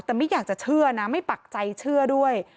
แต่ไม่อยากจะเชื่อนะไม่ปักใจเชื่อด้วย